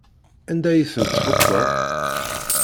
Anda ay ten-tḥukkeḍ?